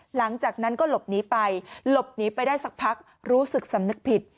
หลังจากนั้นก็หลบหนีไปหลบหนีไปได้สักพักรู้สึกสำนึกผิด